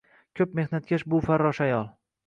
Ko‘p mehnatkash bu farrosh ayol